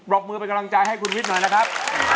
บมือเป็นกำลังใจให้คุณวิทย์หน่อยนะครับ